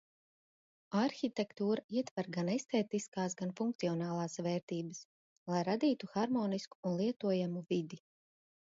Arhitektūra ietver gan estētiskās, gan funkcionālās vērtības, lai radītu harmonisku un lietojamu vidi.